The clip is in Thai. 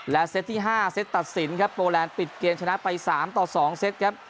เซตที่๕เซตตัดสินครับโปแลนดปิดเกมชนะไป๓ต่อ๒เซตครับ